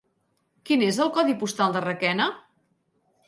Quin és el codi postal de Requena?